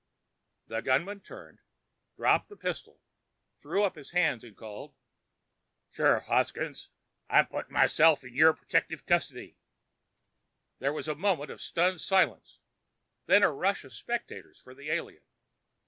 The gunman turned, dropped the pistol, threw up his hands, and called: "Sheriff Hoskins, I'm puttin' myself in yer pertective custody." There was a moment of stunned silence; then a rush of spectators for the alien.